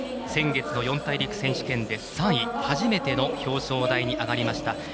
先月の四大陸選手権で３位初めての表彰台に上がりました。